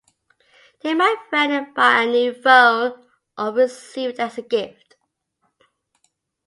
Did my friend buy a new phone or receive it as a gift?